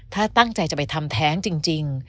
ถ้าตั้งใจจะไปทำแท้งจริง